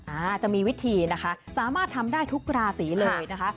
อาจจะมีวิธีนะคะสามารถทำได้ทุกราศีเลยนะคะ